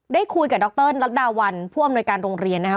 ได้คุยกับดรรัฐดาวันผู้อำนวยการโรงเรียนนะครับ